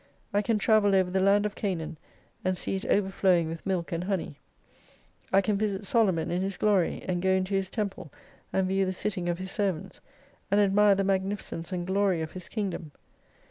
I can travel over the Land of Canaan, and see it overflowing with milk and honey ; I can visit Solomon in his glory, and go into his temple, and view the sitting of his servants, and admire the magnificence and glory of his kingdom.